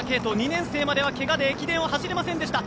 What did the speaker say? ２年生まではけがで駅伝を走れませんでした。